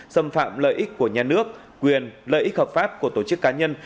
xâm phạm lợi ích của nhà nước quyền lợi ích hợp pháp của tổ chức cá nhân